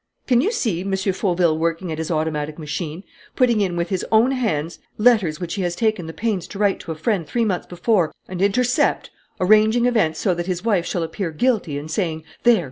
Can you see M. Fauville working at his automatic machine, putting in with his own hands letters which he has taken the pains to write to a friend three months before and intercept, arranging events so that his wife shall appear guilty and saying, 'There!